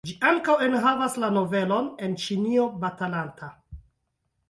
Ĝi ankaŭ enhavas la novelon "En Ĉinio batalanta".